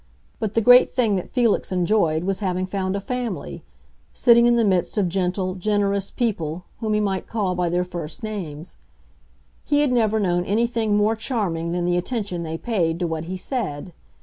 But the great thing that Felix enjoyed was having found a family—sitting in the midst of gentle, generous people whom he might call by their first names. He had never known anything more charming than the attention they paid to what he said.